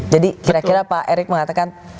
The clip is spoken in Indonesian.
jadi kira kira pak erick mengatakan